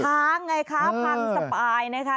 ค้างไงคะพังสปายนะคะ